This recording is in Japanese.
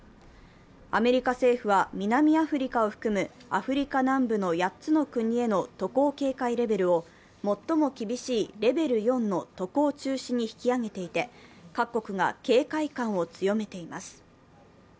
アメリカ政府は南アフリカを含むアフリカ南部の８つの国への渡航警戒レベルを最も厳しいレベル４の渡航中止に引き上げていて、各国が警戒感を強めています。